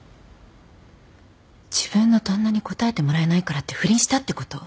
自分の旦那に応えてもらえないからって不倫したってこと？